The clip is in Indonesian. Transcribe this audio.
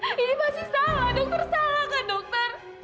ini masih salah dokter saya kan dokter